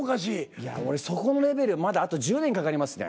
いや俺そこのレベルへまだあと１０年かかりますね。